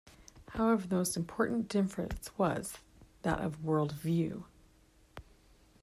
However, the most important difference was that of world view.